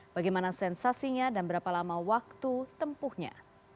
bagaimana sensasinya dan berapa lama waktu tempuhnya